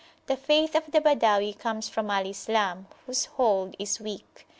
The faith of the Badawi comes from Al Islam, whose hold is weak.